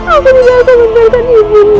aku tidak akan membiarkan ibu